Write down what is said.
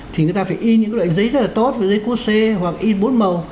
thì người ta phải in những loại giấy rất là tốt giấy qc hoặc in bốn màu